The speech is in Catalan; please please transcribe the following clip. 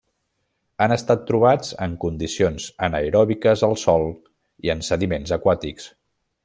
Han estat trobats en condicions anaeròbiques al sòl i en sediments aquàtics.